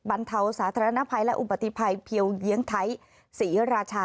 บรรเทาสาธารณภัยและอุบัติภัยเพียวเยียงไทยศรีราชา